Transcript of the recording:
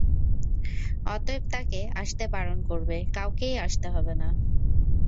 অতএব তাকে আসতে বারণ করবে, কাউকেই আসতে হবে না।